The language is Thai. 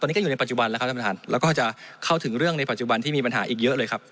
ตอนนี้ก็อยู่ในปัจจุบันแล้วครับท่านประธานแล้วก็จะเข้าถึงเรื่องในปัจจุบันที่มีปัญหาอีกเยอะเลยครับ